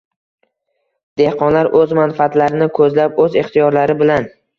Dehqonlar o‘z manfaatlarini ko‘zlab, o‘z ixtiyorlari bilan